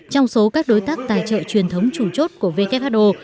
trong số các đối tác tài trợ truyền thống chủ chốt của who